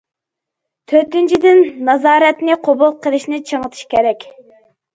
تۆتىنچىدىن، نازارەتنى قوبۇل قىلىشنى چىڭىتىش كېرەك.